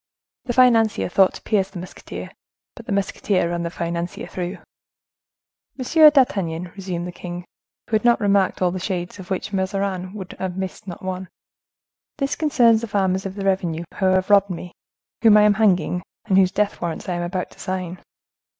The financier thought to pierce the musketeer; but the musketeer ran the financier through. "Monsieur d'Artagnan," resumed the king, who had not remarked all the shades of which Mazarin would have missed not one, "this concerns the farmers of the revenue who have robbed me, whom I am hanging, and whose death warrants I am about to sign."